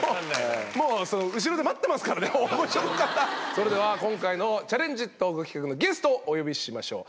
それでは今回のチャレンジトーク企画のゲストをお呼びしましょう。